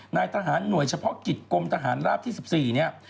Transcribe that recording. นายทหารหน่วยเฉพาะกิจกรมทหารราบที่๑๔เนี่ย